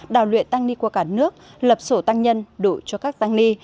đào luyện tăng ni của cả nước lập sổ tăng nhân đủ cho các tăng ni